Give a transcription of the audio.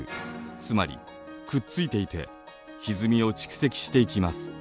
つまりくっついていてひずみを蓄積していきます。